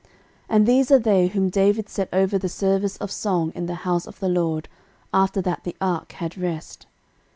13:006:031 And these are they whom David set over the service of song in the house of the LORD, after that the ark had rest.